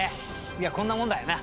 いやこんなもんだよな。